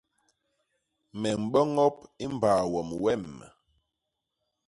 Me mboñop i mbaa wom wem.